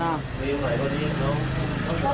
ลุงอยู่ไหนก็ดีนะ